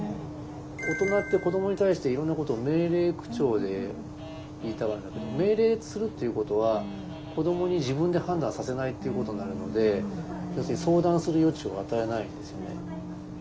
大人って子どもに対していろんなことを命令口調で言いたがるんだけど命令するっていうことは子どもに自分で判断させないっていうことになるので要するに相談する余地を与えないんですよね。